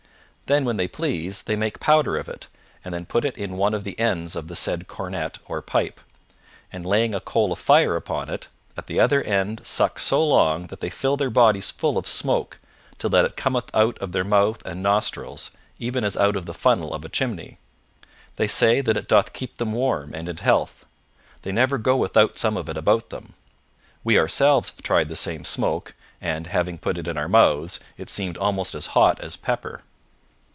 Then when they please they make powder of it, and then put it in one of the ends of the said cornet or pipe, and laying a coal of fire upon it, at the other end suck so long that they fill their bodies full of smoke till that it cometh out of their mouth and nostrils, even as out of the funnel of a chimney. They say that it doth keep them warm and in health: they never go without some of it about them. We ourselves have tried the same smoke, and, having put it in our mouths, it seemed almost as hot as pepper.'